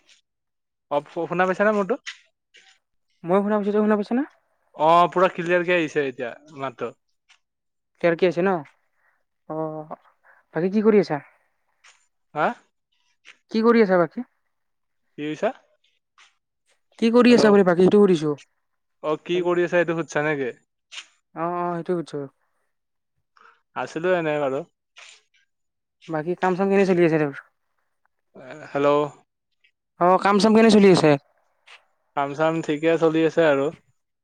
[unintelligible] Of ও শুনা পাইচানে মোৰতো? ময়ো শুনা পাইছো, তই শুনা পাইচানা? অঁ পুৰা ক্লিয়াৰ কে আহিছে, এতিয়া মাতটো। ক্লিয়াৰ কে আহিছে ন? অঁ বাকী কি কৰি আছা? হা? কি কৰি আছা বাকী? কি কৈছা? কি কৰি আছা হেল্ল' বুলি বাকী সেইটো সোধিছোঁ। অ কি হেল কৰি আছা এইটো সুধছা নেকি অঁ অঁ সেইটোয়ছ সোধিছো। আছিলো এনেই বাৰু। বাকী কাম চাম কেনে চলি আছে, তোৰ? এ হেল্ল' অঁ কাম চাম কেনে চলি আছে? কাম - চাম ঠিকে চলি আছে আৰু।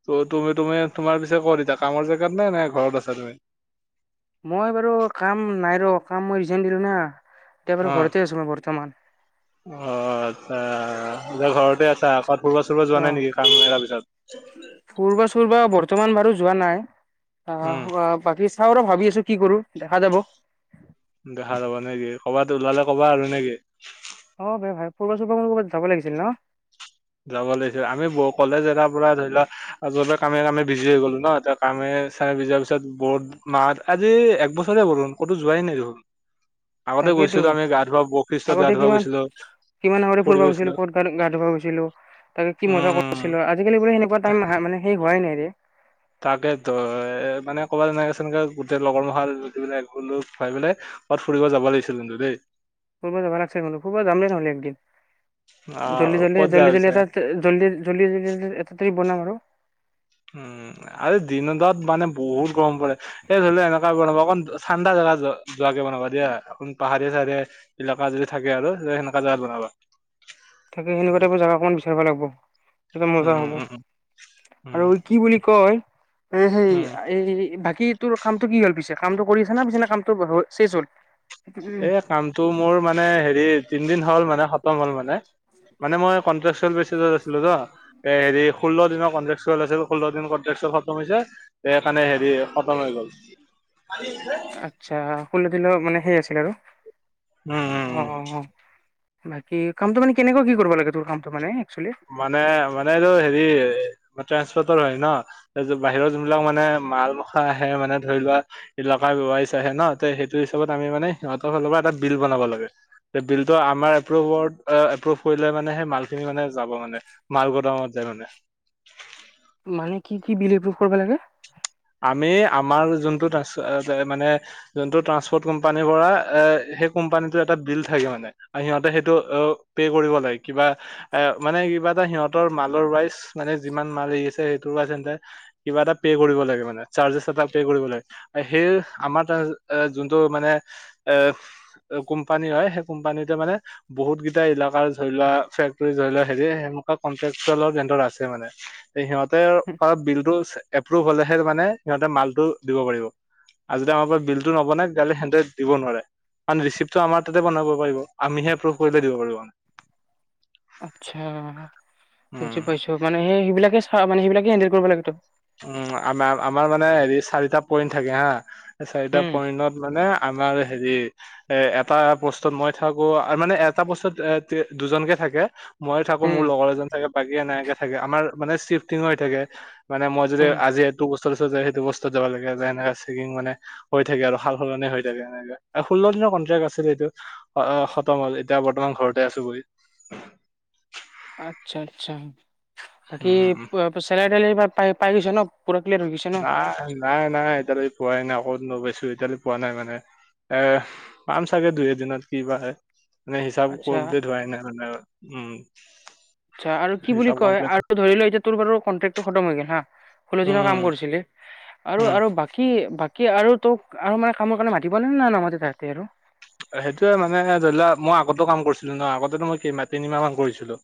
ত' তুমি তুমি তোমাৰ পিছে ক' ত এতিয়া কামৰ জেগাত নাই নাই ঘৰত আছা তুমি? মই বাৰু কাম নাই ৰ', কাম মই ৰিজাইন দিলোঁ না এতিয়া অ বাৰু ঘৰতে আছোঁ মই বৰ্তমান। অ আচ্ছা, বুলে ঘৰতে আছা। [unintelligible] ফুৰবা চুৰবা যোৱা নাই নেকি কাম এৰাৰ পিছত? ফূৰ্বা চুৰবা বৰ্তমান বাৰু যোৱা নাই আহ উম হোৱা বাকী চাওঁ আৰু ভাবি আছো কি কৰো দেখা যাব। দেখা যাব নে কি ক'বাত ওলালে ক'বা আৰু নেকি? অ ভাই ভাই ফোৰবা চুৰবা মোৰ কবাত যাব লাগিছিল ন? যাব লাগিছিল, আমি ব কলেজ এৰাৰ পৰা ধৰি লোৱা আ যোৱাৰ পৰা কামে কামে বিজি হৈ গলো ন, এতিয়া কামে চে বিজোৱাৰ পিছত বহুত মা আজি একবছৰে হব দেখোন ক'তো যোৱাই নাই দেখোন। আগতে তাকেতো গৈছিলো আমি গা ধোৱা বশিষ্ঠত গা আগতে ধোৱা কিমান গৈছিলো, ফুৰি গৈছিলো। তাত গা ধুৱা গৈছিলোঁ, তাকে কি মজা উম কৰিছিলো, আজিকালি বোলে সেনেকুৱা টাইম নাহা মানে হোৱাই নাইৰে। তাকে তই মানে ক'বাত তেনেকে চেনেকে গোটেই লগৰ মখা [unintelligible] পেলাই ক'বাত ফুৰিব যাব লাগিছিল কিন্তু দেই? ফূৰব যাবা লাগছে গলো, ফুৰব যামেই নহ'লে একদিন, অ জল্দি জল্দি ক'ত যাই জল্দি পিছে জল্দি এটা তে জল্দি জল্দি [unintelligible] এটা তাৰিখ বনাম আৰু। উম' আৰু দিনত তাত মানে বহুত গৰম পৰে এই ধৰি লোৱা এনেকুৱা বনাবা অকণ ঠাণ্ডা জেগা যোৱা যোৱাকে বনাবা দিয়া অকন পাহাৰীয়া - চাহাৰিয়া ইলাকা যদি থাকে আৰু সেনেকা জেগাত বনাবা। তাকে সেনেকুৱা টাইপৰ জেগা অকমান বিচাৰিব লাগিব। তেতিয়া মজা উম হ'ব, উম উম আৰু কি বুলি কয়, এ সেই উম আ এই বাকী তোৰ কামটো কি হ'ল পিছে, কামটো কৰি আছে না পিছেনে কামটো [unintelligible] শেষ হ'ল? এ, কামটো মোৰ মানে হেৰি তিনদিন হ'ল মানে খতম হ'ল মানে। মানে মই কন্ট্ৰেকচল বেচিছত আছিলো ন, এ হেৰি ষোল দিনৰ কনট্ৰেকচ [unintelligible] ষোল্ল দিন কনট্ৰেকচোৱেল খতম হৈছে সেইকাৰণে হেৰি খতম হৈ গ'ল। [unintelligible] আচ্ছা, ষোল্ল দিনৰ মানে সেই আছিল আৰু উম' উম অ' উম অ অ, বাকী কামটো মানে কেনেকুৱা কি কৰিব লাগে তোৰ কামটো মানে একচুৱেলি? মানে মানে এইটো হেৰি [unintelligible] হয় ন তাৰপিছত বাহিৰত যোনবিলাক মানে মাল মখা আহে মানে ধৰি লোৱা ইলকাই [unintelligible] ন, ত' সেইটো হিচাবত আমি মানে সিহঁতৰ ফালৰ পৰা এটা বিল বনাব লাগে। এ বিলটো আমাৰ এপ্ৰুভৰ এ এপ্ৰুভ কৰিলে মানে সেই মালখিনি মানে যাব মানে, মাল গোদামত যায় মানে। মানে কি কি বিল এপ্ৰুফ কৰিব লাগে? আমি আমাৰ যোনটো [unintelligible] মানে যোনটো ট্ৰান্সপৰ্ট কোম্পানীৰ পৰা এ সেই কোম্পানীতো এটা বিল থাকে মানে। আ সিহঁতে সেইটো অ', পে কৰিব লাগে কিবা এ মানে কিবা এটা সিহঁতৰ মালৰ ৱাইজ মানে যিমান মাল এৰি আছে সেইটোৰ ৱাইজ হেঁনতে কিবা এটা পে' কৰিব লাগে। মানে চাৰ্জেছ এটা পে কৰিব লাগে আ সেই আমাৰ টা আ যোনটো মানে এ অ কোম্পানী হয় সেই কোম্পানীতে মানে বহুত কেইটা ইলাকাৰ ধৰি লোৱা, ফেক্টৰী ধৰি লোৱা হেৰি সেনেকুৱা কট্ৰেক্সুৱেলৰ কেন্দ্ৰৰ আছে মানে। সিহঁতেৰপা বিলটো এপ্ৰুভ হ'লেহে মানে সিহঁতে মালটো দিব পাৰিব। আজিতে আমাৰ পৰা বিলতটো নবনাই, তেতিয়াহ'লে সিহঁতে দিব নোৱাৰে। কাৰণ ৰিচিপটো আমাৰ তাতে বনাব পাৰিব, আমিহে এপ্ৰুভ কৰিলে দিব পাৰিব। আচ্ছা, বুজি উম। পাইছো, মানে সেই সেইবিলাকে চা মানে সেইবিলাকে হেন্দেল কৰিব লাগে। ত উম, আমাৰ আমাৰ মানে হেৰি চাৰিটা পইণ্ট থাকে হা সেই চাৰিটা উম পইণ্টত মানে আমাৰ হেৰি এ, এটা পোষ্টত মই থাকো, মানে এটা পোষ্টত এ, তে দুজনকে থাকে। মই থাকো উম মোৰ লগৰ এজন থাকে, বাকী এনেকে থাকে আমাৰ মানে চিফ্টিং হৈ থাকে। মানে মই যদি উম আজি এইটো পোষ্টত আছো যে সেইটো পোষ্টত যাব লাগে যে এনেকে চেকিং মানে হৈ থাকে আৰু, সাল সলনি হৈ থাকে এনেকে, আৰু ষোল্ল দিনৰ কনট্ৰেক্ট আছিল এইটো। অ', খতম হ'ল, এতিয়া বৰ্তমান ঘৰতে আছো বহি। আচ্ছা, আচ্ছা, বাকি উম চেলাৰি তেলাৰি পা পাই গৈছে ন? পুৰা ক্লিয়াৰ হৈ গৈছে ন নাই, নাই, নাই, এতিয়ালৈকে পোৱাই নাই, ক'তনো পাইছো এতিয়ালৈকে পোৱা নাই। মানে এ, পাম চাগে দুই এদিনত, কি বা হয়। নে হিচাপ আচ্ছা কমপ্লিট হোৱাই নাই মানে, উম' আচ্ছা, আৰু কি বুলি হিচাপ কয়, কমপ্লিট আৰু ধৰি লোৱা এতিয়া তোৰ বাৰু কন্ট্ৰেক্টো খতম হৈ গ'ল হা', ষোল্ল দিনৰ কাম উম কৰিছিলি? আৰু, উম আৰু বাকী, বাকী আৰু তোক আৰু মানে কামৰ কাৰণে মাতিবনে নে নামাতে তাতে আৰু? সেইটোয়ে মানে ধৰি লোৱা মই আগতেও কাম কৰিছিলো না, আগতেতো মই কেই তিনিমাহ মান কৰিছিলো।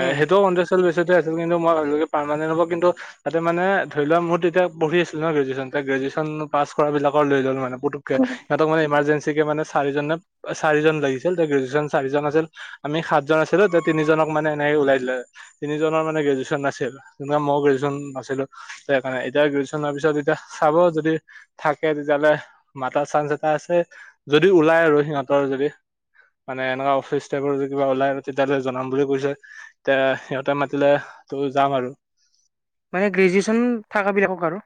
এ সেইটোও কণ্ট্ৰক্টশ্বুৱেল বেছিচতে আছিল। কিন্তু মই ভাবিলো কি পাৰমানেণ্ট হ'ব। কিন্তু তাতে মানে ধৰি লোৱা মোৰ তেতিয়া পঢ়ি আছিলো ন, গ্ৰেজুৱেশ্যন গ্ৰেজুৱেশ্যন পাছ কৰা বিলাক লৈ ললে মানে পুতুক কে সিহঁতক মানে ইমাৰ্জেঞ্চি কে মানে চাৰিজনে চাৰিজন লাগিছিল, গ্ৰেজুৱেশ্যন চাৰিজন আছিল। আমি সাতজন আছিলো, তে তিনিজনক মানে এনেকে ওলাই দিলে। তিনিজনৰ মানে গ্ৰেজুুৱচন নাছিল, তো মই গ্ৰেজুৱেশ্যন নাছিলো। এটা এতিয়া গ্ৰেজুৱেশ্যনৰ পিছত এতিয়া চাব। যদি থাকে তেতিয়াহ'লে মাতাৰ চাঞ্চ এটা আছে। যদি ওলাই আৰু সিহঁতৰ যদি মানে এনেকুৱা অফিচ ষ্টাফৰ যদি কিবা ওলাই তেতিয়াহ'লে জনাম বুলি কৈছে, তে সিহঁতে মাতিলে ত' যাম আৰু। মানে গ্ৰেজুৱেশ্যন থকা বিলাকক আৰু?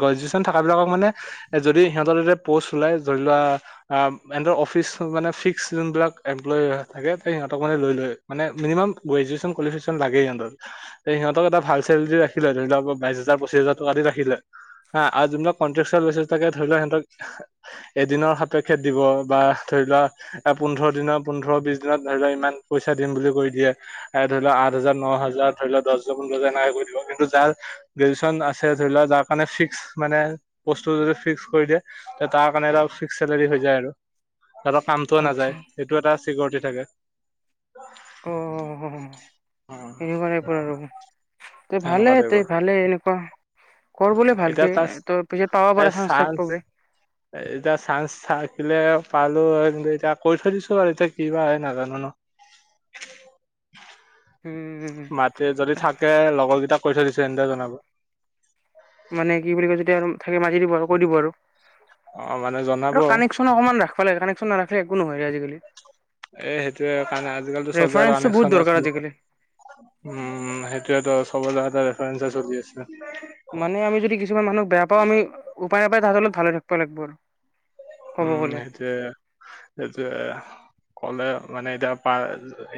গ্ৰেজুৱেশ্যন থকা বিলাকক মানে যদি সিহঁতৰ তাতে প'ষ্ট ওলাই। ধৰি লোৱা আহ ইহ'তৰ অফিচ মানে ফিক্স যোনবিলাক এমপ্লয় থাকে, সিহঁতক মানে লৈ লয়। মানে মিনিমাম গ্ৰেজুৱেচন কোৱালিফিকেশ্যন লাগেই সিহঁতক। তে সিহঁতক এটা ভাল চেলৰি দি ৰাখি লয়, ধৰি লওঁক বাই হাজাৰ পচিছ হাজাৰ টকা দি ৰাখি দিলে। হা', আৰু যোনবিলাক কণ্ট্ৰক্টশ্বুৱেল বেছিচত থাকে ধৰি লোৱা সিহঁতক এদিনৰ সাপেক্ষে দিব, বা ধৰি লোৱা এ পোন্ধৰ দিনৰ পোন্ধৰ বিশ দিনত ধৰি লোৱা ইমান পইচা দিম বুলি কৈ দিয়ে। এ ধৰি লওঁক আঠ হাজাৰ ন হাজাৰ, ধৰি লওঁক দহ হাজাৰ পোন্ধৰ হাজাৰ এনেকুৱা কৰি দিব। কিন্তু যাৰ গ্ৰেজুৱেশ্যচন আছে ধৰি লোৱা যাৰ কাৰণে ফিক্স মানে প'ষ্টটো যদি ফিক্স কৰি দিয়ে। তাৰ কাৰণে এটা ফিক্স চেলাৰী হৈ যায় আৰু। সিহ'তৰ কাম টো আচ্ছা নাযায়, সেইটো এটা চিকিৰিটি থাকে। অ' অ এনেকুৱা এইবোৰ আৰু তেই ভালে সেনেকুৱা টাইপৰ তেই ভালে এনেকুৱা। কৰ বুলি এতিয়া ভালকে, তাৰ ত পিছত পাব এ পাৰা চাঞ্চ চান্স থাকবলে। [unintelligible] এতিয়া চাঞ্চ থাকিলে পালো হয়, কিন্তু এতিয়া কৰি থৈ দিছো বাৰু এতিয়া কিবা হয় নাজানো ন। উম মাতে যদি থাকে লগৰ কেইটা কৈ থৈ দিছে সিহঁতে জনাব। মানে কি বুলি কয় যেতিয়া আৰু থাকে মাৰি দিব আৰু কৈ দিব আৰু। অ মানে জনাব। অকণমান ৰাখবা লাগে কানেকচন নাৰাখলি একো নহয় আজিকালি। এ সেইটোয়ে কাৰণে ৰেফাৰেঞ্চটো বহুত দৰকাৰ আজিকালি। [unintelligible] আজিকালি উম সেইটোৱেতো চব জাগাতে ৰেফাৰেঞ্চত দি আছে। মানে আমি যদি কিছুমান মানুহক বেয়া পাওঁ আমি উপাই নাপাই তাহঁতৰ লগত ভালে থাকিব লাগিব আৰু। ক'ব উম গ'লে সেইটোৱে, সেইটোৱে ক'লে মানে এতিয়া পাৰ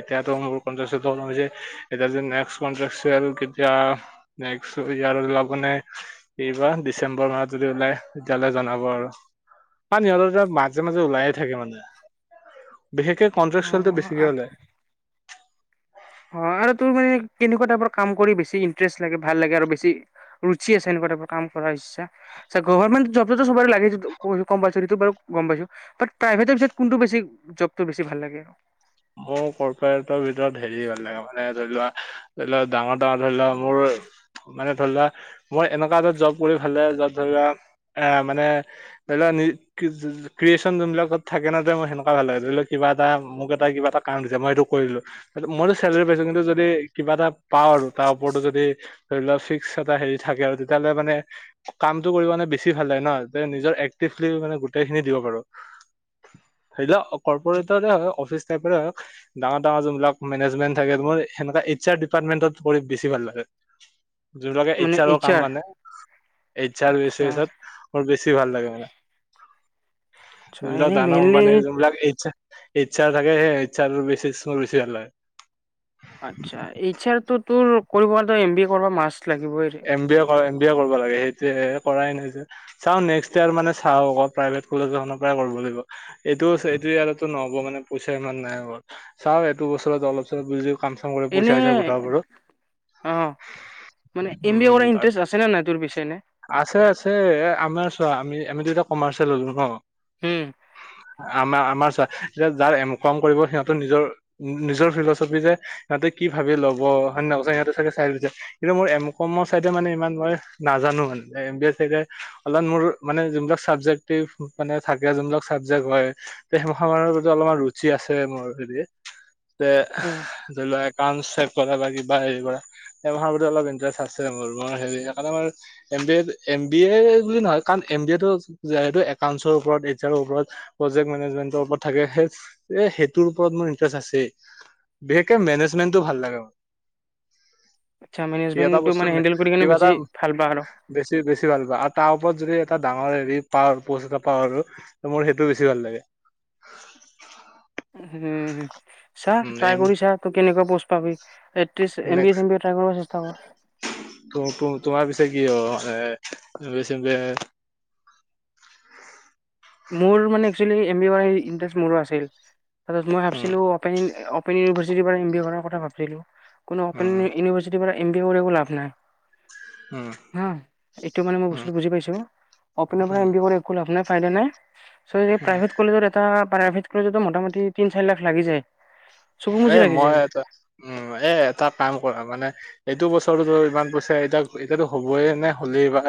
এতিয়াতো মোৰ [unintelligible] এতিয়া অনুযায়ী এতিয়া নেক্সট [unintelligible] কেতিয়া। নেক্সট ইয়াৰ ওলাবনে? এইবাৰ ডিচেম্বৰ মাহত যদি ওলাই তেতিয়াহ'লে জনাব আৰু। সিহঁতৰ তাত মাজে, মাজে ওলাইয়ে থাকে মানে বিশেষকে অ কণ্ট্ৰেকচুয়েলটো বেছিকে ওলাই। অ আৰু তোৰ মানে কেনেকুৱা টাইপৰ কাম কৰি বেছি ইন্টাৰেষ্ট লাগে ভাল লাগে আৰু বেছি ৰুচি আছে এনেকুৱা টাইপৰ কাম কৰা ইচ্ছা। গভৰমেণ্ট জৱটো চোৱৰে লাগে সেইটো কম্পাচাৰি সেইটো বাৰু গম পাইছোঁ। বাত প্ৰাইভেটৰ কোনটো বেছি জবটো বেছি ভাল লাগে। মোৰ কৰ্পৰেটৰ ভিতৰত হেৰি ভাল লাগে মানে ধৰি লোৱা। ধৰি ল' ডাঙৰ, ডাঙৰ ধৰি ল' মোৰ। মানে ধৰি লোৱা মই এনেকুৱা এটাত জব কৰি ভালে যত ধৰি লোৱা এ মানে ধৰি লোৱা ক্ৰিয়েচন যোনবিলাকত থাকে নহ মোৰ সেনেকুৱা ভাল লাগে ধৰি লোৱা কিবা এটা মোক এট এটা কিবা এটা কাম দিছে মই সেইটো কৰিলোঁ। মইতো চেলেৰি পাইছোঁ কিন্তু যদি কিবা এটা পাওঁ আৰু তাৰ ওপৰতো যদি। ধৰি লোৱা ফিক্স এটা হেৰি থাকে আৰু তেতিয়াহ'লে মানে। কামটো কৰিব মানে বেছি ভাল লাগে নহ নিজৰ এক্টিভলি মানে গোটেই খিনি দিব পাৰু। সেইটো কৰ্পৰেটৰে হয় অফিচ টাইপৰে হওক। ডাঙৰ, ডাঙৰ যোননিলাক মেনেজমেণ্ট থাকে মোৰ সেনেকুৱা এইচ আৰ ডিপাৰ্টমেণ্টত কৰি বেছি ভাল লাগে। যোনবিলাকে এইচ মানে আৰৰ কাম আৰ মানে এইচ আৰ। আচ্ছা [unintelligible] মোৰ বেছি ভাল লাগে মানে আচ্ছা যোনবিলাক এনে ডাঙৰ মেইনলি কোম্পানীৰ যোনবিলাক এইচ আৰ ইচ্ছা থাকে সেয়ে এইচ আৰৰ বেছিছ মোৰ বেছি ভাল লাগে। আচ্ছা এইচ আৰতো তোৰ কৰিব এম বি এ কৰিব মাষ্ট লাগিবইৰে। এম বি এ কৰে এম বি এ কৰিব লাগে সেইটোৱে কৰাই নাই যে। চাওঁ নেক্সট ইয়াৰ মানে চাওঁ অকল প্ৰাইভেট কলেজ এখনৰ পৰাই কৰিব লাগিব। এইটো, এইটো ইয়াৰতো নহ'ব মানে পইচা ইমান নাই হ'ল চাওঁ এইটো বছৰত অলপ চলপ বুজি কাম চাম কৰি এনে পইচা চইছা গোটাব পাৰোঁ। অ মানে এম বি এ কৰা উম ইণ্টাৰেষ্ট আছে নে নাই তোৰ পিছে এনে। আছে আছে আমাৰ চোৱা আমি-আমিতো এতিয়া কমাৰ্চ ল'লোঁ নহ। উম আমাৰ, আমাৰ চোৱা এতিয়া যাৰ এম কম কৰিব সিহঁতৰ নিজৰ। নিজৰ ফিলচফি যে সিহঁতে কি ভাবি ল'ব হয় নে নহয় সিহঁতে চাগে চাই লৈছে। কিন্তু মই এম কমৰ চাইডে মানে ইমান মই নাজানোঁ মানে এম বি এ চাইডে অলপ মোৰ মানে যোনবিলাক চাবজেক্টটিভ মানে থাকে যোনবিলাক চাবজেক্ট হয়। [unintelligible] প্ৰতি অলপমান ৰুচি আছে মোৰ হেৰি যে উম ধৰি লোৱা। [unintelligible] কৰা বা কিবা হেৰি কৰা সেইমাহাৰ প্ৰতি অলপ ইটাৰেষ্ট আছে মোৰ হেৰি সেইকাৰণে মোৰ [unintelligible] প্ৰজেক্ট মেনেজমেন্টৰ ওপৰত থাকে এ সেইটোৰ ওপৰত মোৰ ইন্টাৰেষ্ট আছে। বিশেষকে মেনেজমেন্টটো ভাল লাগে মোৰ। আচ্ছা সি এটা মেনেজমেণ্টটো বস্তু মানে হেণ্ডেল কৰি কিনে কিবা এটা বেছি ভাল পোৱা আৰু। বেছি বেছি ভাল পা আৰু তাৰ ওপৰত যদি এটা ডাঙৰ হেৰি পাৰ পচ এটা পা আৰু ত মোৰ সেইটো বেছি ভাল লাগে উম চা উম ট্ৰাই এম কৰি চা তই কেনেকা পষ্ট পাবি এটলিষ্ট [unintelligible] ত ত তোমাৰ পিছে কি হব অ এ [unintelligible] অপেন ইউনিভাৰ্চিটিৰ পৰা এম বি এ কৰাৰ উম কথা ভাবছিলোঁ কোনো অপেন ইউনিভাৰ্চিটিৰ পৰা এম বি উম এ কৰিও লাভ নাই উম হা এইটো মানে মই উম বস্তুটো বুজি পাইছো অপেন ৰ পৰা উম এনেকে কৰি একো লাভ নাই ফাইডা নাই ছোৱালীজনী প্ৰাইভেট কলেজত এটা প্ৰাইভেট কলেজতো মোটামুটি তিন চাৰি লাখ লাগি যায় চকু এ মুজি লাগি মই যায় এটা উ এ এটা কাম কৰা মানে এইটো বছৰতৰতোতো ইমান পইচা এতিয়া এতিয়াতো হবয়ে নে হ'লেই বা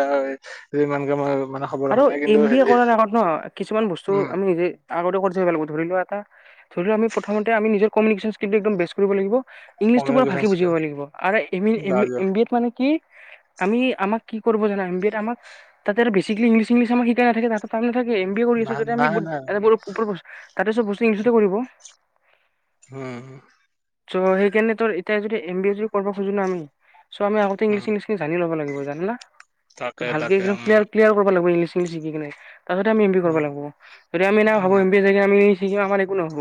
যে ইমান যে মানে খবৰ ৰখা আৰু নাই কিন্তু এম বি এ হেৰি কৰাৰ আগত নহ কিছুমান বস্তু উম আমি নিজে আগতে কৰি থিব লাগিব ধৰি লোৱা এটা ধৰি লোৱা আমি প্ৰথমতে আমি কমিউনিকশ্বন স্কীল টো একদম বেষ্ট কৰিব লাগিব ইংলিছতটো পোৰা কমিউনিকেশ্যন ভালকে বুজিব স্কিল লাগিব আৰু ইম ইম্ এম বি এ ত মানে কি আমি আমাক কৰিব জানা এম বি এ আমাক তাতে বেচিকেলি ইংলিছ চিংলিছ আমাক শিকাই নাথাকে তাতে নাথাকে এম বি এ কৰি আছো নাই য আমি নাই নাই তাতে সব বস্ত ইংলিছ তে কৰিব অহ চ' সেইকাৰণে ত এতিয়া যদি এম বি এ যদি কৰিব খজো ন আমি চ' আমি আগতে ইংলিচ উম সিংলিছ জানি লব লাগিব জানিলা তাকে ভালকে তাকে একদম উম ক্লিয়াৰ ক্লিয়াৰ কৰিব লাগিব ইংলিছ ইংলিছ শিকি কিনে তাৰপিছতে আমি এম বি কৰিব উম লাগিব যদি আমি নাই ভাবো উম এম বি জাগে আমি শিকিম আমাৰ একো নহব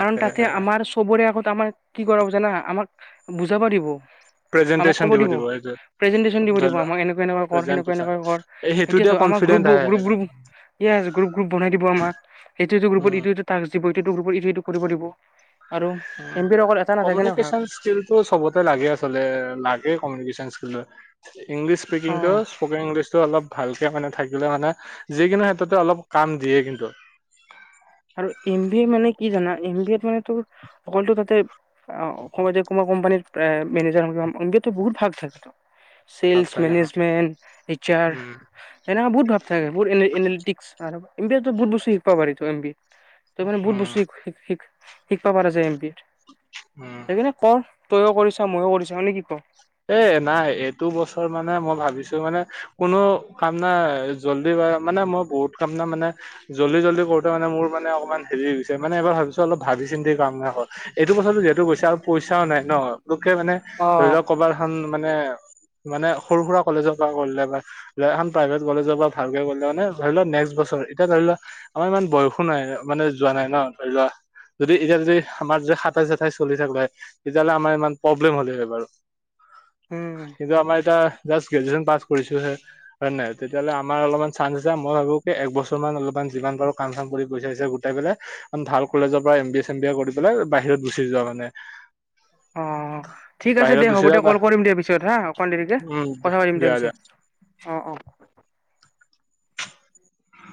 কাৰণ তাতে আমাৰ চবৰে আগত আমাৰ কি কৰিব জানা আমাক বুজাবা দিব আমাক ক'ব দিব প্ৰেজেন্টেশ্যন দিব ধৰি দিব লোৱা আমাক এনেকুৱা এনেকুৱা কৰ হেনেকোৱা প্ৰেজেন্টেচন হেনেকুৱা কৰ এই সেইটোতে সেইটোৱেতো আমাৰ কনফিডেন্ট গ্ৰুপ আহে গ্ৰুপ গ্ৰুপ য়েছ গ্ৰুপ গ্ৰুপ বনাই দিব আমাৰ এটো ইটো গ্ৰুপত উম ইটোত টাক্স দিব ইটো ইটো গ্ৰুপত ইটো ইটো কৰিব দিব আৰু এম বি এৰ অকল এটা নাথাকে না ভাগ। সেইটো চবতে লাগে আচলতে লাগে কমিউনিকেশ্যন স্কিলটো। ইংলিছ স্পকিং টো অ স্পকেন ইংলিছ টো অলপ ভালকে মানে থাকিলে মানে যিকোনো ক্ষেত্ৰতে অলপ কাম দিয়ে কিন্তু। আৰু এম বি এ মানে কি জানা এম বি এত মানে তোৰ অকলো তাতে অ', ক কোনাবা কোম্পানীৰ মেনেজাৰ এম বি এতটো বহুত ভাগ থাকে। ভাল ছেলচ থাকে অ মেনেজমেণ্ট এইচ্ আৰ উম সেনেকা বহুত ভাগ থাকে বহুত এনেলেটিক্স আৰু এম বি এত টো বহুত বস্তু শিকিব পাৰি এম বি তে মানে বহুত উম বস্তু শিক শিকিব পাৰা যায় এম বি এত। উম। সেইকাৰনে কৰ তয়ও কৰিছা ময়ো কৰিছাও নে কি কও। এ নাই এইটো বছৰ মানে মই ভাবিছো মানে। কোনো কামনা জল্দি বা মানে মই বহুত কামনা মানে জল্দি জল্দি কৰোতে মান মোৰ মানে অকমান হেৰি গৈছে মানে এইবাৰ ভাবিছো অলপ ভাবি চিন্তি কাম বিলাক কৰিম। এইটো কথাটো যিহেতু কৈছা আৰু পইচাও নাই ন পোকে মানে ধৰি অ'। লওক কবাৰ এখান মানে মানে সৰু সুৰা কলেজৰ পৰা কৰিলে বা এখন প্ৰাইভেট কলেজৰ পৰা ভালকে কৰিলে মানে ধৰি লোৱা নেক্সট বছৰ এতিয়া ধৰি লোৱা আমাৰ ইমান বয়সো নাই মানে যোৱা নাই ন ধৰি লোৱা যদি এতিয়া যদি আমাৰ যদি সাতাই চাঠাই চলি থাক হয় তেতিয়াহ'লে আমাৰ ইমান প্ৰব্লেম হ'লে হয় বাৰু উম কিন্তু আমাৰ এতিয়া জাষ্ট গ্ৰেজুৱেশচন পাছ কৰিছোহে। হয়, নে নাই তেতিয়াহলে আমৰ অলপমান চানচ আছে মই ভাবো কি এক বছৰ মান অলপমান যিমান পাৰো কাম কাম কৰি পইচা চইচা গো টাই পেলাই ভাল কলেজৰ পৰা M B A same B A কৰি পেলাই বাহিৰত গুচি যোৱা মানে। অ', ঠিক আছে বাহিৰত দিয়া হ'ব গুচি দিয়া যোৱা কল কৰিম দিয়া পিছত হা অকণ দেৰিকে উম কথা পাতিম দিয়া দিয়া তাৰপিছত। অ', অ'।